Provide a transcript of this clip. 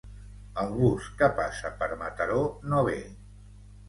El bus que passa per Mataró no ve.